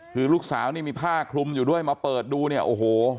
คือลูกสาวนี่มีผ้าคลุมอยู่ด้วยมาเปิดดูเนี่ยโอ้โห